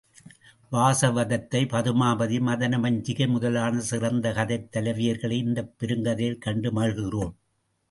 வாசவதத்தை, பதுமாபதி, மதனமஞ்சிகை முதலான சிறந்த கதைத் தலைவியர்களை இந்தப் பெருங்கதையில் கண்டு மகிழ்கிறோம்.